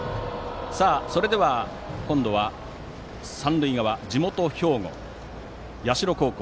それでは、今度は三塁側地元・兵庫の社高校。